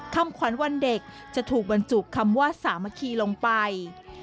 คำขวัญวันเด็กจะถูกบรรจุคำว่าสามัคคีลงไป